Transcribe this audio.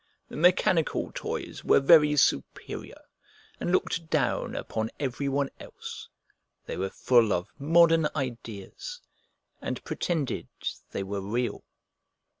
The mechanical toys were very superior, and looked down upon every one else; they were full of modern ideas, and pretended they were real.